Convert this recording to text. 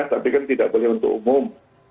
tapi kan tidak boleh untuk umum